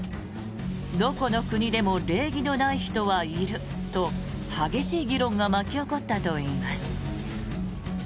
どこの国でも礼儀のない人はいると激しい議論が巻き起こったといいます。